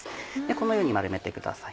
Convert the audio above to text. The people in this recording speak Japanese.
このように丸めてください